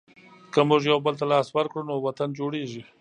که موږ یوبل ته لاس ورکړو نو وطن جوړېږي.